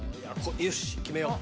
よし決めよう。